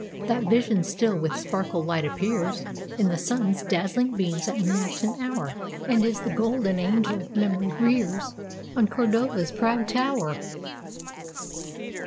That vision still with sparkling light appearsIn the sun's dazzling beams at matin hour, And is the golden angel memory rearsOn Cordova's proud tower!